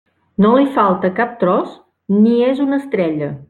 No li falta cap tros ni és una estrella.